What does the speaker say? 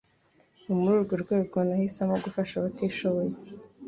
ni muri urwo rwego nahisemo gufasha abatishoboye